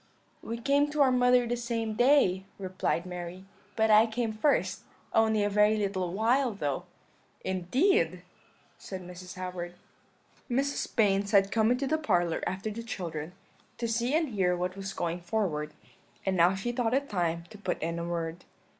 "'We came to our mother the same day,' replied Mary; 'but I came first, only a very little while though.' "'Indeed!' said Mrs. Howard. "Mrs. Baynes had come into the parlour after the children, to see and hear what was going forward; and now she thought it time to put in a word.